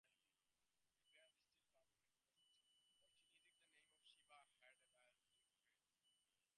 The band still performs in Austin, using the name Shiva's Headband Experience.